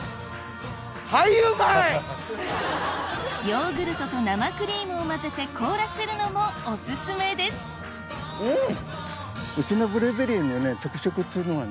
ヨーグルトと生クリームを混ぜて凍らせるのもお薦めですうん！